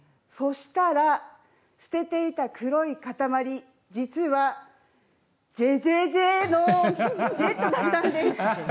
そうしたら、捨てていた黒い塊、実はじぇじぇじぇ！のジェットだったんです。